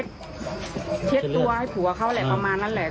เขากำลังเช็ดตัวให้ผัวเค้าแหละประมาณนั้นแหละ